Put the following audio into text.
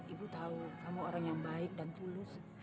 ibu tahu kamu orang yang baik dan tulus